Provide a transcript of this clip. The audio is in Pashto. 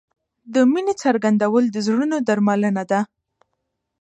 د مینې څرګندول د زړونو درملنه ده.